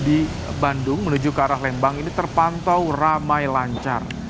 di bandung menuju ke arah lembang ini terpantau ramai lancar